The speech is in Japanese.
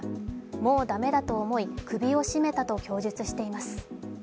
もう駄目だと思い、首を絞めたと供述しています。